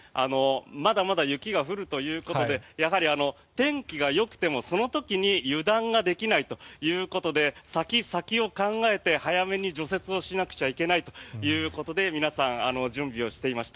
まだまだ雪が降るということでやはり天気がよくてもその時に油断ができないということで先々を考えて早めに除雪をしなくちゃいけないということで皆さん、準備をしていました。